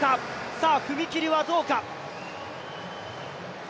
さあ踏み切りはどうか。